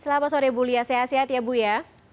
selamat sore bu lia sehat sehat ya bu ya